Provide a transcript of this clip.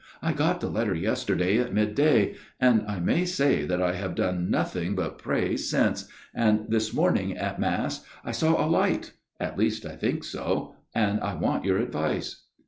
I got the letter yesterday at midday, and I may say that I have done nothing but pray since, and this morning at mass I saw a light at least, I think so, and I want your advice.'